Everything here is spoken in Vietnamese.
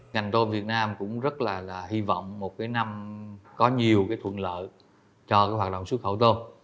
ngành tô việt nam cũng rất là hy vọng một năm có nhiều thuận lợi cho hoạt động xuất khẩu tô